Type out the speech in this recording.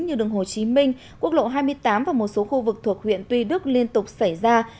như đường hồ chí minh quốc lộ hai mươi tám và một số khu vực thuộc huyện tuy đức liên tục xảy ra